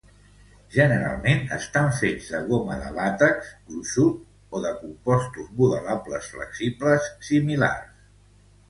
Generalment estan fets de goma de làtex gruixut o de compostos modelables flexibles similars.